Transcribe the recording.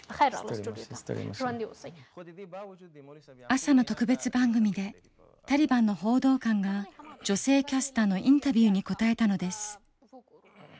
朝の特別番組でタリバンの報道官が女性キャスターのインタビューに答えたのです。